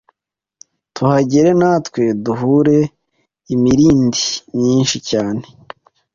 tuhagera na twe duhura imirindi myinshi cyane